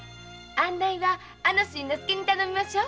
案内はあの新之助に頼みましょう。